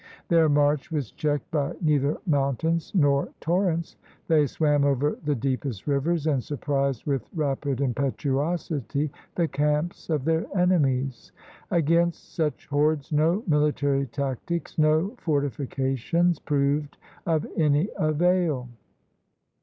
Their march was checked by neither mountains nor torrents ; they swam over the deepest rivers, and surprised with rapid impetuosity the camps of their enemies. Against such hordes no mihtary tactics, no fortifications proved of any avail.